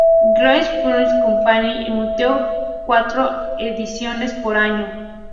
Welsh Publishing Company emitió cuatro ediciones por año.